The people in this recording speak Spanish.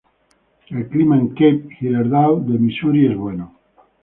El clima en Cape Girardeau de Misuri es bueno.